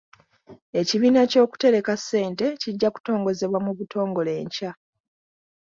Ekibiina ky'okutereka ssente kijja kutongozebwa mu butongole enkya.